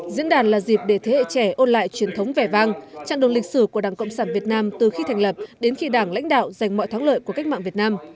diễn đàn là dịp để thế hệ trẻ ôn lại truyền thống vẻ vang trạng đồn lịch sử của đảng cộng sản việt nam từ khi thành lập đến khi đảng lãnh đạo dành mọi thắng lợi của cách mạng việt nam